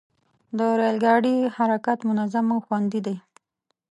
د ریل ګاډي حرکت منظم او خوندي دی.